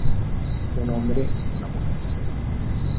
Un hombre, una mujer.